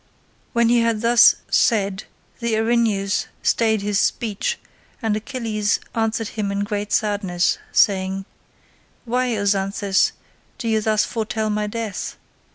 When he had thus said the Erinyes stayed his speech, and Achilles answered him in great sadness, saying, "Why, O Xanthus, do you thus foretell my death?